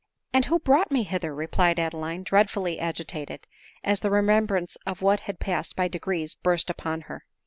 " And who brought me hither ?" replied Adeline, dreadfully agitated, as the remembrance of what had passed by degrees burst upon her.